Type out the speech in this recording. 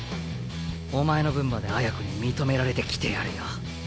お前の分まで綾子に認められてきてやるよ。